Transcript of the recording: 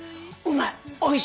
うまい。